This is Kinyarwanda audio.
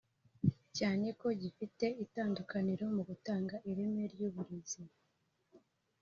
cyane ko gifite itandukaniro mu gutanga ireme ry’uburezi